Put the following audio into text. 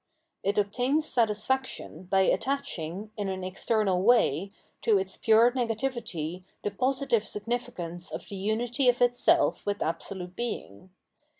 It obtains satisfaction by attaching, in an external way, to its pure negativity the positive significance of the unity of itself with absolute Being.